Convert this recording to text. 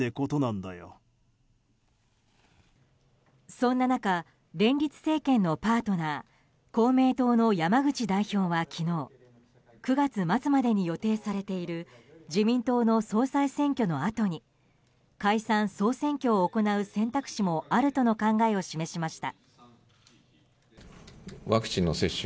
そんな中連立政権のパートナー公明党の山口代表は昨日９月末までに予定されている自民党の総裁選挙のあとに解散・総選挙を行う選択肢もあるとの考えを示しました。